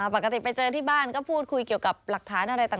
ไปเจอที่บ้านก็พูดคุยเกี่ยวกับหลักฐานอะไรต่าง